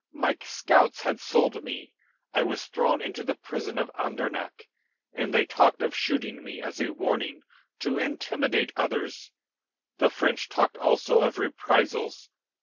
My scouts had sold me. I was thrown into the prison of Andernach, and they talked of shooting me, as a warning to intimidate others. The French talked also of reprisals.